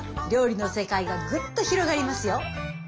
料理の世界がグッと広がりますよ。